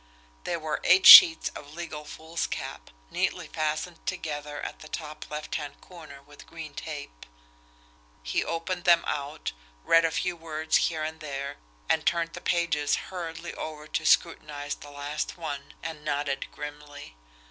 There were eight sheets of legal foolscap, neatly fastened together at the top left hand corner with green tape. He opened them out, read a few words here and there, and turned the pages hurriedly over to scrutinise the last one and nodded grimly.